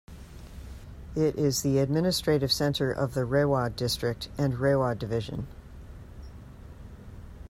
It is the administrative centre of Rewa District and Rewa Division.